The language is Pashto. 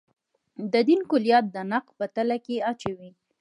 د دین کُلیت د نقد په تله کې اچوي.